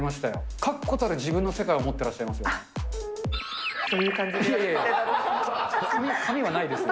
確固たる自分の世界を持ってらっしゃいますもんね。